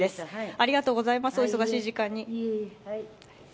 ありがとうございますお忙しい時間に。